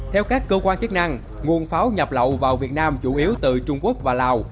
theo các cơ quan chức năng nguồn pháo nhập lậu vào việt nam chủ yếu từ trung quốc và lào